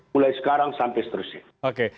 mulai sekarang sampai seterusnya